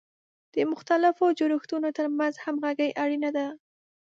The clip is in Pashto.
د مختلفو جوړښتونو ترمنځ همغږي اړینه ده.